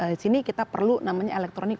di sini kita perlu namanya elektronik